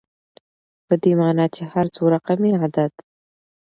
په دې معني چي هر څو رقمي عدد